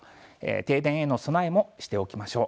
停電への備えもしておきましょう。